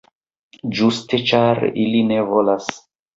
Ĝuste ĉar ili ne volas.